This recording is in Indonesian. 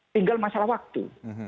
tinggal masalah waktu